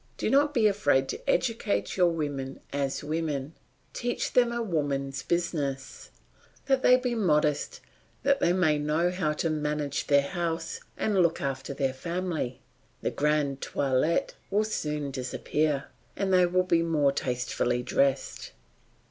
Do not be afraid to educate your women as women; teach them a woman's business, that they be modest, that they may know how to manage their house and look after their family; the grand toilet will soon disappear, and they will be more tastefully dressed.